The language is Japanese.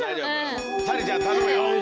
咲莉ちゃん頼むよ！